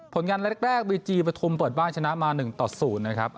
ผลงานแรกแรกบีจีปฐุมตรวจบ้านชนะมาหนึ่งต่อศูนย์นะครับ